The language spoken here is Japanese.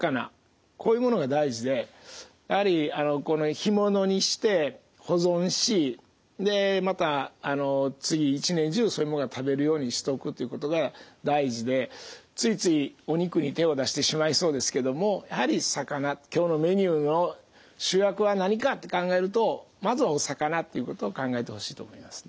こういうものが大事でやはりこの干物にして保存しまた次一年中そういうものが食べるようにしておくということが大事でついついお肉に手を出してしまいそうですけどもやはり魚今日のメニューの主役は何かって考えるとまずはお魚ということを考えてほしいと思いますね。